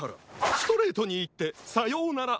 ストレートにいってさようなら